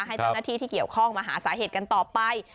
ให้เจ้าหน้าที่ที่เกี่ยวข้องมาหาสาเหตุกันต่อไป